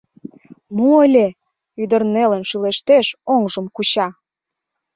— Мо ыле? — ӱдыр нелын шӱлештеш, оҥжым куча.